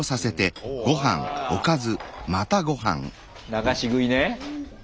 流し食いね。